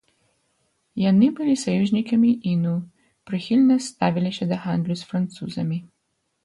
Яны былі саюзнікамі іну, прыхільна ставіліся да гандлю з французамі.